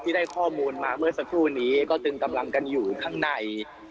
ได้ข้อมูลมาเมื่อสักครู่นี้ก็ตึงกำลังกันอยู่ข้างใน